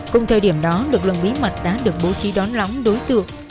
cùng thời điểm đó lực lượng bí mật đã được bố trí đón lõng đối tượng